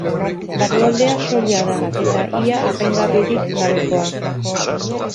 Barrualdea soila da eta ia apaingarririk gabekoa.